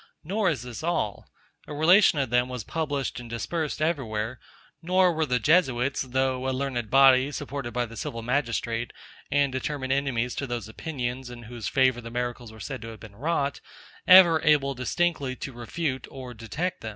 Nor is this all: a relation of them was published and dispersed every where; nor were the Jesuits, though a learned body, supported by the civil magistrate, and determined enemies to those opinions, in whose favour the miracles were said to have been wrought, ever able distinctly to refute or detect them.